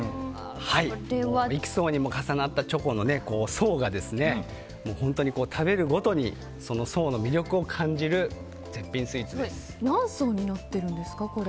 幾層にも重なったチョコの層が本当に食べるごとにその層の魅力を感じる絶品スイーツです。